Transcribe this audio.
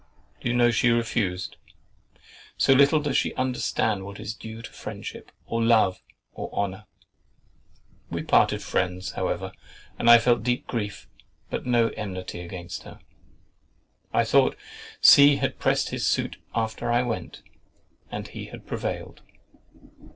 Do you know she refused; so little does she understand what is due to friendship, or love, or honour! We parted friends, however, and I felt deep grief, but no enmity against her. I thought C—— had pressed his suit after I went, and had prevailed.